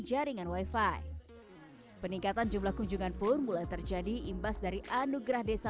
jaringan wifi peningkatan jumlah kunjungan pun mulai terjadi imbas dari anugerah desa